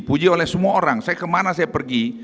puji oleh semua orang saya kemana saya pergi